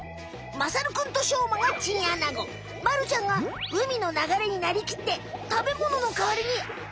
まさるくんとしょうまがチンアナゴまるちゃんが海の流れになりきって食べもののかわりに綿を飛ばすよ。